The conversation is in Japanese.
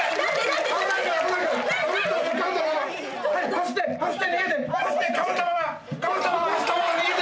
走って、走って逃げて。